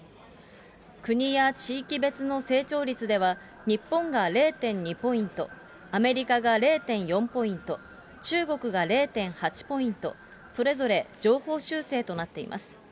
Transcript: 国や地域別の成長率では、日本が０．２ポイント、アメリカが０．４ポイント、中国が０．８ポイント、それぞれ上方修正となっています。